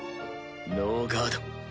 ノーガード。